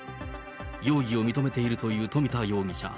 容疑を認めているという冨田容疑者。